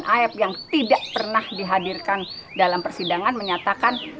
dede dan aeb yang tidak pernah dihadirkan dalam persidangan menyatakan